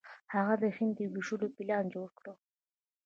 هغه د هند د ویشلو پلان جوړ کړ.